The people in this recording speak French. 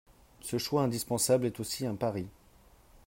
Ce choix indispensable est aussi un pari.